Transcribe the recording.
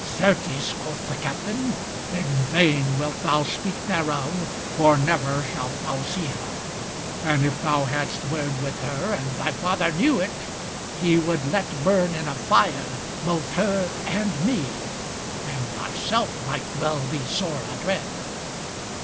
"Certes," quoth the Captain, "in vain wilt thou speak thereof, for never shalt thou see her; and if thou hadst word with her, and thy father knew it, he would let burn in a fire both her and me, and thyself might well be sore adread."